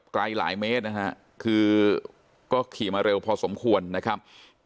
ไกลหลายเมตรนะฮะคือก็ขี่มาเร็วพอสมควรนะครับ